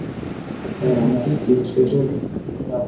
Sir, আমি কি ছিঁচকে চোর?